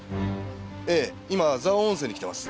ええ今蔵王温泉に来てます。